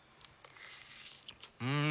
うん！